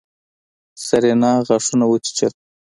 سېرېنا غاښونه وچيچل.